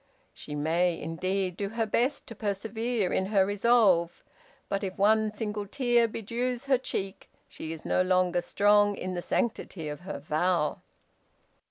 She may, indeed, do her best to persevere in her resolve, but if one single tear bedews her cheek, she is no longer strong in the sanctity of her vow.